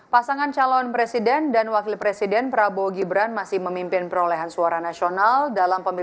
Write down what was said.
pasangan calon presiden dan wakil presiden prabowo gibran masih memimpin perolehan suara nasional dalam pemilu